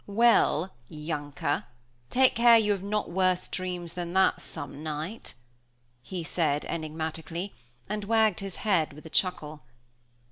"Well, younker, take care you have not worse dreams than that some night," he said, enigmatically, and wagged his head with a chuckle.